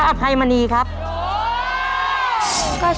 ก็ช่วยตากผ้าบ้างแล้วก็กลับไปก่อน